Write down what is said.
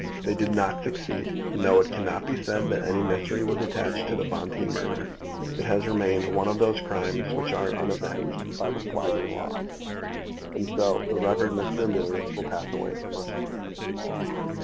They did not succeed; and though it cannot be said that any mystery was attached to the Bonteen murder, it has remained one of those crimes which are unavenged by the flagging law. And so the Rev. Mr. Emilius will pass away from our story.